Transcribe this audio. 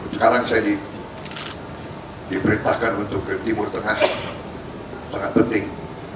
sekarang saya diperintahkan untuk ke timur tengah sangat penting